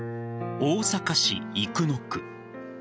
大阪市生野区。